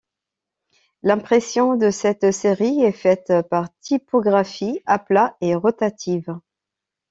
L'impression de cette série est faite par typographie à plat et rotative.